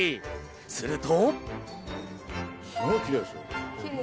すると。